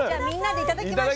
いただきます。